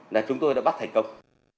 là chúng tôi đã bắt thành công